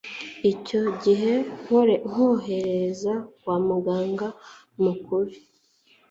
Icyo gihe nkohereza kwa muganga mukuru